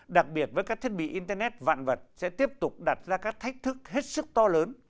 đặc biệt với các thiết bị internet vạn vật sẽ tiếp tục đặt ra các thách thức hết sức to lớn